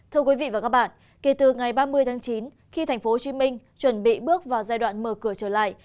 thưa quý vị và các bạn kể từ ngày ba mươi tháng chín khi thành phố hồ chí minh chuẩn bị bước vào giai đoạn mở cửa trở lại